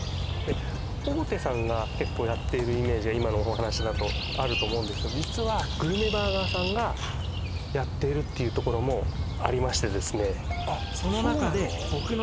大手さんが結構やっているイメージが今のお話だとあると思うんですが実はグルメバーガーさんがやっているっていうところもありましてあそうなの？